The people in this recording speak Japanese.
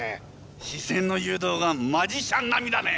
視線の誘導がマジシャン並みだね。